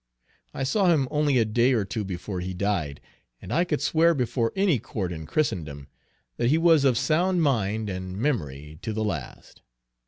I saw him only a day or two before he died, and I could swear before any court in Christendom that he was of sound mind and memory to the last.